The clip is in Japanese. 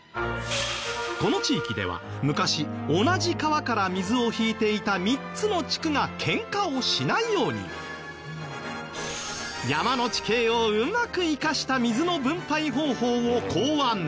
この地域では昔同じ川から水を引いていた３つの地区がケンカをしないように山の地形をうまく生かした水の分配方法を考案。